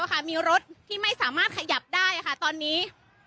นะคะมีรถที่ไม่สามารถขยับได้นะคะตอนนี้